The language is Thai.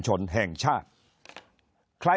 คนในวงการสื่อ๓๐องค์กร